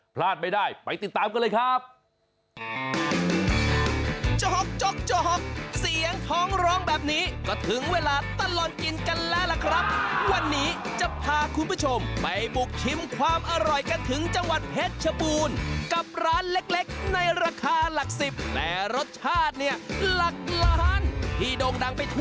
พลาดไม่ได้ไปติดตามกันเลยครับ